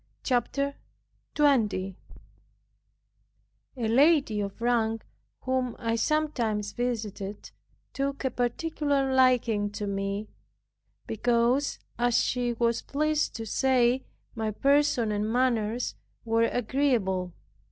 CHAPTER 20 A lady of rank, whom I sometimes visited, took a particular liking to me, because (as she was pleased to say) my person and manners were agreeable.